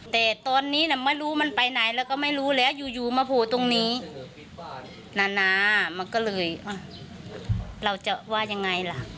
แต่ตอนนี้น่ะไม่รู้มันไปไหนแล้วก็ไม่รู้แล้วอยู่มาโผล่ตรงนี้นานามันก็เลยเราจะว่ายังไงล่ะ